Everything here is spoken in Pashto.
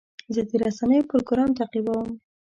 زه د رسنیو پروګرام تعقیبوم.